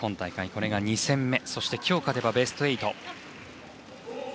これが２戦目そして今日、勝てばベスト８。